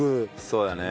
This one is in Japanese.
そうだね。